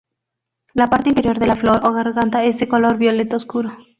La parte interior de la flor o garganta es de color violeta oscuro.